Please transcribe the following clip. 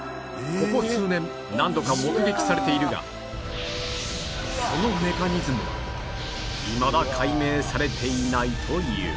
ここ数年何度か目撃されているがそのメカニズムはいまだ解明されていないという